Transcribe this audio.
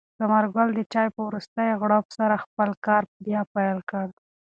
ثمر ګل د چای په وروستۍ غړپ سره خپل کار بیا پیل کړ.